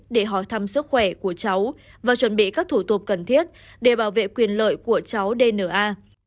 để hỏi thăm sức khỏe của cháu và chuẩn bị các thủ tục cần thiết để bảo vệ quyền lợi của cháu dna